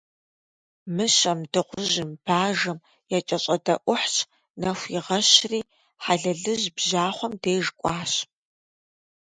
Мыщэм, Дыгъужьым, Бажэм якӀэщӀэдэӀухьщ, нэху игъэщри, Хьэлэлыжь бжьахъуэм деж кӀуащ.